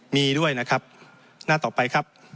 มีด้วยนะครับหน้าต่อไปครับ